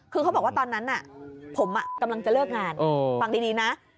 คือเขาบอกว่าตอนนั้นผมกำลังจะเลิกงานฟังดีนะ